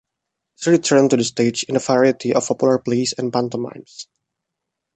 She returned to the stage in a variety of popular plays and pantomimes.